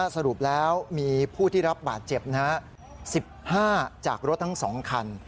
สรุปแล้วมีผู้ที่รับบาดเจ็บ๑๕จากรถทั้ง๒คัน